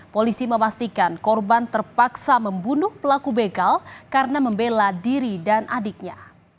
polisi memastikan korban terpaksa membunuh pelaku begal karena membela diri dan adiknya